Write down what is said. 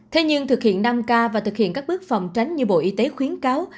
thế nhưng thực hiện năm k và thực hiện các bước phòng tránh như bộ y tế khuyến cáo